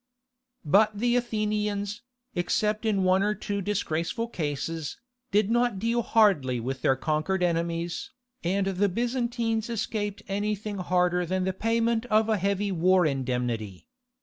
But the Athenians, except in one or two disgraceful cases, did not deal hardly with their conquered enemies, and the Byzantines escaped anything harder than the payment of a heavy war indemnity.